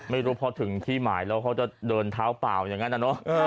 ไม่รู้พอถึงที่หมายแล้วเขาจะเดินเท้าเปล่าอย่างนั้นนะเนอะ